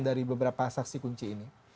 dari beberapa saksi kunci ini